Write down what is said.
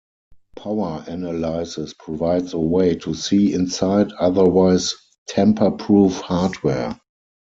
Power analysis provides a way to "see inside" otherwise 'tamperproof' hardware.